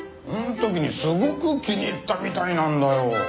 あの時にすごく気に入ったみたいなんだよ。